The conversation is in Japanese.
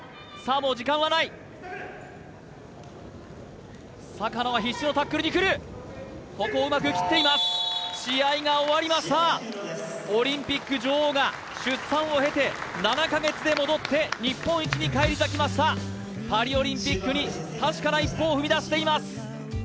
もう時間はない坂野が必死のタックルに来るここをうまく切っています試合が終わりましたオリンピック女王が出産を経て７か月で戻って日本一に返り咲きましたパリオリンピックに確かな一歩を踏み出しています